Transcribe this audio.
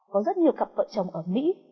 có rất nhiều cặp vợ chồng ở mỹ